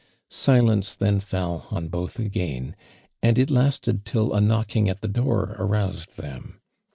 Silence then fell on both again, and it lasted till a knocking at the door aroused them.